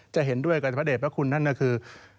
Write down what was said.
จะเห็นด้วยกับพระเด็จพระคุณท่านก็คือ